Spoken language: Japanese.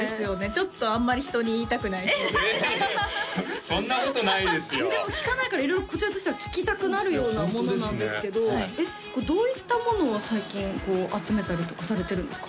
ちょっとあんまり人に言いたくない趣味そんなことないですよでも聞かないから色々こちらとしては聞きたくなるようなものなんですけどどういったものを最近集めたりとかされてるんですか？